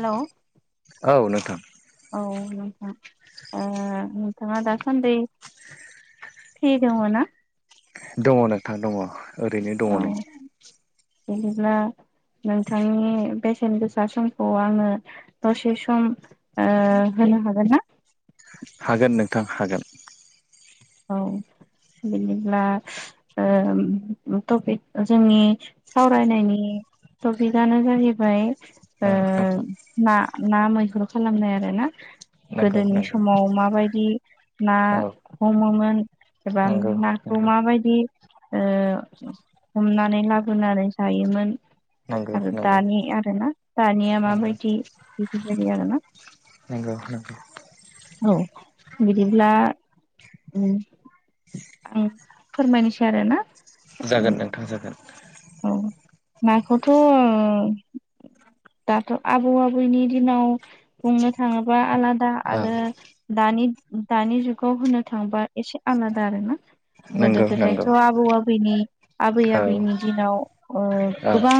हेल' औ नोंथां। औ नोंथां ओ नोंथाङा दासान्दि फ्रि दङ ना? दङ नोंथां दङ। ओरैनो दङ औ नै बिदिब्ला नोंथांनि बेसेन गोसा समखौ आङो दसे सम ओ होनो हागोन ना? हागोन नोंथां हागोन। औ। बिदिब्ला ओ टपिक जोंनि सावरायनायनि टपिकआनो जाहैबाय औ ओ नोंथां ना, ना मैहुरु खालामनाय आरो ना। नंगौ गोदोनि नंगौ समाव माबायदि ना औ हमोमोन एबा नंगौ नाखौ नंगौ माबायदि ओ हमनानै लाबोनानै जायोमोन, आरो नंगौ नंगौ दानि आरोना दानिया नंगौ माबायदि बिदिबायदि आरोना। [unintelligible] औ बिदिब्ला उ आं फोरमायनोसै आरोना। जागोन नोंथां जागोन। औ नाखौथ' ओ दाथ' आबौ आबैनि दिनाव बुंनो थाङोबा आलादा औ आरो दा दानि- दानि जुगाव होनो थांबा एसे आलादा आरो ना। गोदो नंगौ नंगौ गोदायथ' आबौ आबौनि आबै औ आबैनि दिनाव ओ औ गोबां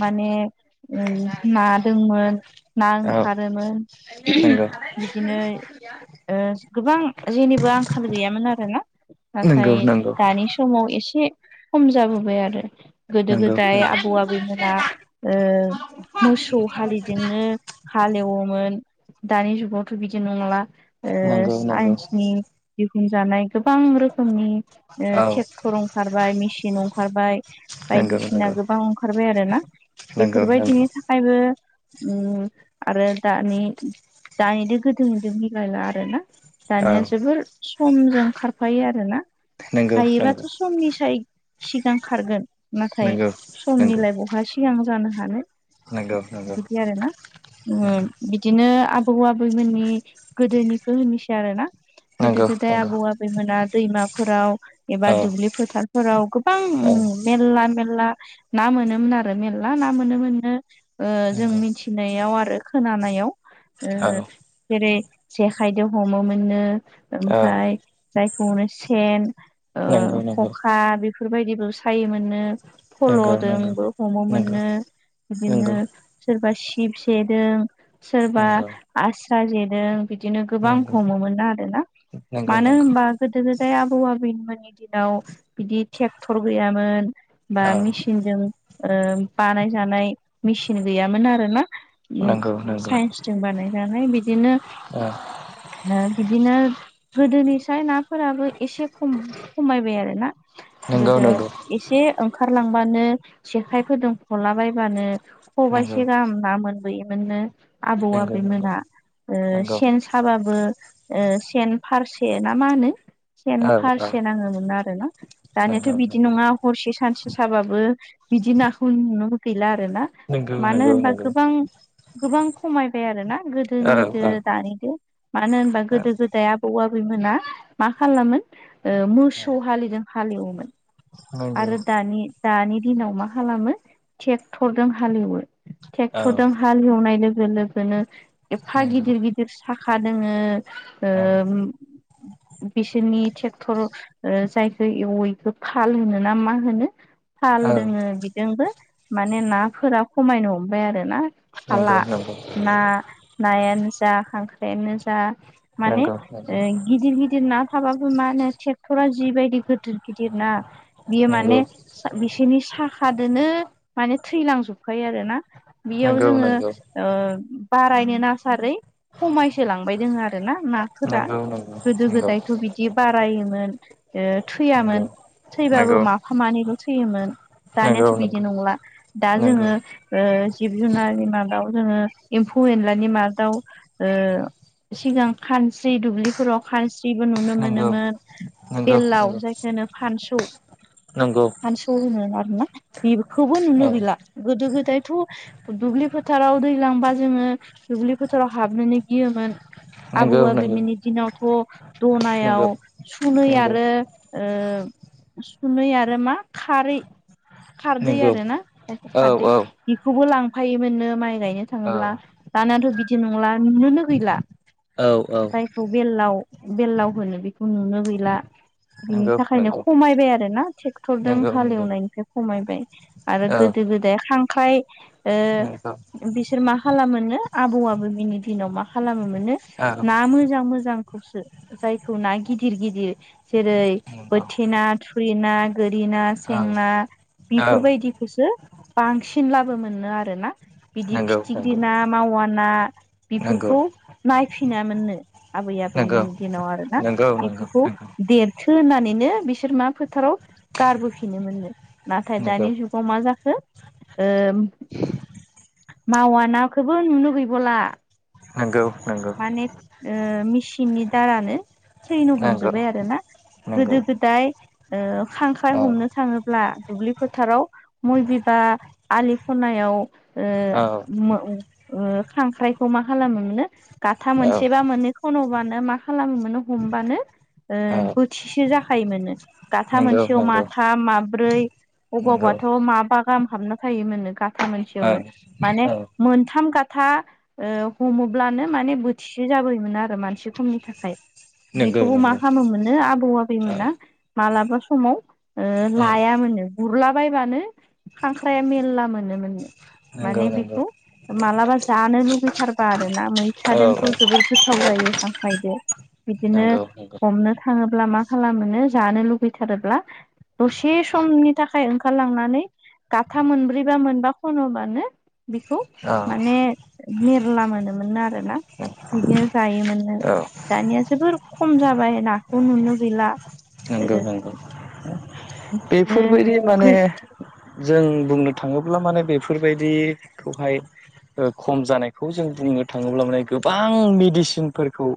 माने ओ ना दंमोन ना औ ओंखारोमोन। नंगौ बिदिनो ओ गोबां जेनिबो आंखाल गैयामोन आरोना। नंगौ नाथाय नंगौ दानि समाव एसे खम जाबोबाय आरो। नंगौ गोदो-गोदाय आबौ आबैमोना ओ मोसौ हालिदोंनो हालेवोमोन। दानि जुगावथ' बिदि नंला ओ नंगौ नंगौ नंगौ साइन्सनि दिहुनजानाय गोबां रो खोमनि औ ट्रेक्टर ओंखारबाय मेसिन अंखारबाय नंगौ नंगौ बायदिसिना गोबां खारबाय आरोना। नंगौ नंगौ बेफोरबायदिनि थाखायबो उम आरो दानि- दानिजों गोदोनिजों मिलायला आरो ना। औ दानिया जोबोर समजों खारफायो आरोना। नंगौ नंगौ हायोबाथ' समनि साय सिगां खारगोन नंगौ नाथाय समनि लाइफआवहा सिगां जानो हानो नोंखौ नोंगौ ओम बिदिनो आबौ आबैमोननि गोदोनिखौ होनोसै आरो ना गोदो नंगौ गोदाय आबौ नंगौ आबैमोना दैमाफोराव औ एबा दुब्लि फोथारफोराव गो औ मेरला मेरला ना मोनोमोन आरो मेरला ना मोनोमोननो ओ जों नंगौ मिथिनाय याव आरो खोनानायाव औ जेरै जेखाइजों हमोमोननो औ ओमफाय जायखौनो सेन ओ नंगौ नंगौ खखा बेफोरबायदिबो सायोमोननो। नंगौ नंगौ फल'जोंबो नंगौ हममोननो बिदिनो नंगौ सोरबा शिब सेदों सोरबा नंगौ आस्रा जेदों बिदिनो गोबां नंगौ हमो। मोना आरोना नंगौ मानो नंगौ होनबा गोदो गोदाय आबौ आबैमोननि दिनाव बिदि ट्रेक्टर गैयामोन बा औ मिसिनजों बानाय जानाय मिसिन गै यामोन आरोना नंगौ नंगौ साइन्सजों बानायनानै बिदिनो औ ओ बिदिनो गोदोनिफ्राय नाफोराबो एसे खम खमायबाय आरोना। नंगौ गोदो नंगौ एसे ओंखारलांबानो जेखाइ फोदों फलाबायबानो नंगौ नंगौ खबाइसे गाहाम ना मोनबोयोमोन। नो आबौ नंगौ आबैमोना ओ नंगौ सेन साबाबो ओ सेन फारसे ना मा होनो सेन औ औ फारसे नाङोमोन आरो ना। दानियाथ' नंगौ नंगौ औ नंगौ औ नंगौ बिदि औ नङा हरसे सानसे साबाबो बिदि नाखौ नुनोबो गैला आरो ना। नंगौ मानो नंगौ नंगौ होनबा गोबां गोबां खमायबाय आरोना गोदोनिदो दानिदो मानो होनबा गोदो गोदाय आबौ आबै मोना मा खालामोन मोसौ हालेदों हालेवोमोन। आरो दानि दानि दिनाव मा खालामो ट्रेक्टरजों हालेवो। ट्रेक्टरजों हाल ऐवनाय लोगो लोगोनो एफा गिदिर गिदिर साखा दोङो। ओ बिसोरनि ट्रेक्टर जाय एवैखौ थाल होनो ना मा होनो। थाल दोङों बिजोंबो माने नाफोरा खमायनो हमबाय आरोना थाला। ना नायानो जा खांख्रायानो जा माने नंगौ गिदिर गिदिर। ना थाबाबो माो ट्रेक्टरा जिबायदि गिदिर गिदिर ना बियो माने नंगौ बिसोरनि साखादोनो माने थैलां जोबखायो आरोना बियाव जोङो नंगौ नंगौ बारायनो नासारै खमायसोलांबाय दोङों आरो ना नाफोरा। गोदो गोदायथ' बिदि बारायोमोन ओ थैयामोन थैबाबो माफा मानैल' थैयोमोन नंगौ नंगौ दानियाथ' बिदि नंगौ नंला। दा नंगौ जोंङोंक्ष ओ जिब जुननि मादाव जोङों ओ एम्फौ एनलानि मादाव ओ सिगां खानस्रि दुब्लिफोराव खानस्रिबो नुनो नंगौ मोनोमोन नंगौ बेलाव जायखौनो फानसौ। नंगौ फानस' होनो आरोना बेखौबो नुनो औ गैला गोदो गोदायथ' दुब्लि फोथाराव दैलांबा जोंङों दुब्लि फोथाराव हाबनोनो गियोमोन। आबौ नंगौ नंगौ आबैमोननि दिनावथ दनायाव नंगौ सुनै नंगौ आरो ओ सुनै आरो मा खारै। खारदै नंगौ आरोना औ खारदै औ बेखौबो लांफायोमोननो माइ गायनो औ थाङोब्ला। दानियाथ बिदि नंला नुनोनो गैला। औ औ जायखौ बेलाव बेलाव होनो बेखौ नुनो गैला। बिनि नंगौ थाखायनो नंगौ खमायबाय आरो ना ट्रेक्टरजों नंगौ नंगौ हालेवनायनिफ्राय खमायबाय आरो औ गोदो गोदाय दे खांख्राइ ओ नंगौ बिसोर मा खालाम मोनो आबौबो बिनि दिनाव मा खालामो मोनो औ ना मोजां मोजां खौसो जायखौ ना गिदिर गिदिर जेरै नंगौ बोथि ना थुरिना गोरिना औ सेंना। बेफोरबायदिखौसो बांसिन लाबो मोनो आरोना। बिदि नंगौ फिथिख्रि नंगौ ना मावा ना नंगौ नंगौ बेफोरखौ नायफिनायोननो आबै आबौ नंगौ मोननि दिनाव आरो ना नंगौ नंगौ बेफोरखौ थोनानैनो बिसोर मा फोथाराव गारबोफिनो मोननो नाथाय दानि जुगाव मा जाखो मावा नाखौबो नु लुगैबला नंगौ नंगौ माने मेसिननि दारानो ट्रैेनाव नंगौ हमजोब्बाय आरो ना नंगौ गोदो गोदाय खांख्राय औ हमनो थाङोब्ला दुब्लि फोथाराव मय बिबार आलि खनायाव औ खांख्राइखौ मा खालामो मोनो गाथा मोनसेबा मोननैखौ खन'बानो मा खालामोम मोनो हमबानो औ बोथिसे जाखायोमो दाथा नंगौ मोनसे अ नंगौ माथा माब ब्रै नंगौ अबावबाथ' माबा गाहाम हाबना थायोमोननो गाथा औ मोनसेयावनो माने मोनथाम गथा हमोब्लानो माने बोथिसे जाबोयोमोन आरो माने मोनानसे खमनि थाखाय नंगौ बेखौबो मा नंगौ खालामो मोनो आ थवा औ बेैमोना मालाबा समाव औ लाय मोनोननो गुरलाबायबानो खांख्राया मेर्ला मोनोमोन नंगौ माने नंगौ बेखौ मा्लाबा जानो लुुबैथारबा आरो ना औ मैथाजोंखौ जोबोद गोथाव जायो आांखायदो बिदिनो नंगौ नंगौ हमनो थाङोब्ला मा खालामो जानो लुुबैथारोब्ला दसे समनि थाखाय ओंखारलांनानै गाथा मोनब्रैबा मोनबा खन'बानो बेखौ औ माने मेरला मोनोमोननो आरोना बिदिनो जायोमोननो दानिया जोबोर खम जाबाय नाखौ नुनो गैला ओ नंगौ नंगौ बिदिनो बेफोरबायदि माने गै जों बुंनो थाङोब्ला माने बेफोरबायदिखौहाय खम जानायखौ जों दिनैनो थाङोब्ला माने गोबां मेडिसिनफोरखौ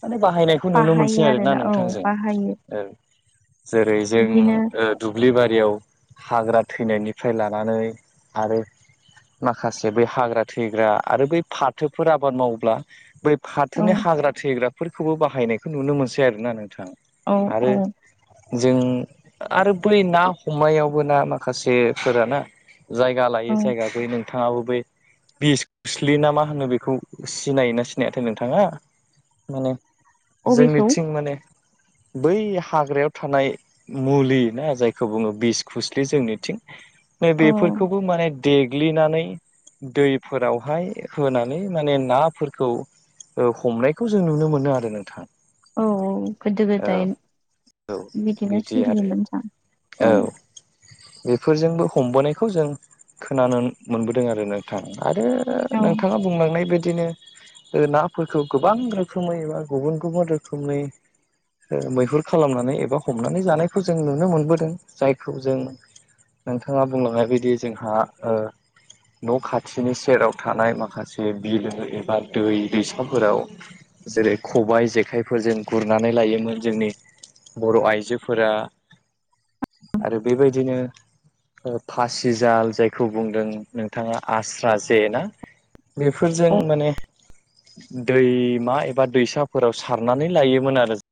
माने बाहायनायखौ नुनो मोनसै बाहायो आरो ना आरोना औ नोंथांजों बाहायो जेरै जों बिदिनो दुब्लि बारियाव हाग्रा थैनायनिफ्राय लानानै आरो माखासे बै हाग्रा थैग्रा आरो बै फाथोफोर आबाद माब्ला बै औ फाथोनि हाग्रा थैग्राफोरखौबो बाहायनायखौ नुनो मोनसै आरोना नों थां औ आरो औ जों आरो बै ना हमनायावबो ना माखासेफोर ना जायगा लायो औ जायगा बै नों नोंथाङाबो बै बिस खोस्लि ना मा होनो बेखौ सिनायोना सिनायथाय नोंथाङा माने अबेखौ जोंनिथिं माने बै हाग्रायाव थानाय मुलि ना जायखौ बुङो बिस खुस्लि जोंनिथिं नै औ बेफोरखौबो माने देग्लिनानै दैफोरावहाय होनानै माने नाफोरखौ हमनायखौ जों नुनो मोनो आरो नोंथां औ औ गोदो औ गोदाय बिदिनो बिदि आरो औ [unintelligible] बेफोरजोंबो हमबोनायखौ जों खोनानो मोनबोदों आरो नोंथां आरो औ नोंथाङा बुंलांनाय बे बिदिनो नाफोरखौ गोबां रोखोमै एबा गुबुन गुबुन रोखोमनि मैहुर खालामनानै एबा हमनानै जानायखौ जों नुनो मोनबोदों जायखौ जों नोंथाङा बुंलांनाय बायदि जोंहा न' खाथिनि सेराव थानाय माखासे बिलो एबा दै दैसाफोराव जेरै खबाइ जेखाइफोरजों गुरनानै लायोमोन जोंनि बर' आइजो फोरा आरो बेबायदिनो फासिजाल जायखौ बुंदों नोंथांआ आस्रा जे ना बेफोरजों माने दैमा एबा दैसाफोराव सारनानै लायोमोन आरो जों